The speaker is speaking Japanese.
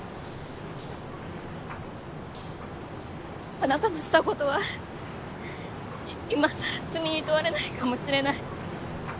あなたがしたことは今更罪に問われないかもしれない。